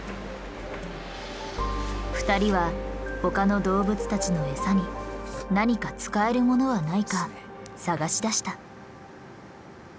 二人は他の動物たちの餌に何か使えるものはないか探しだした。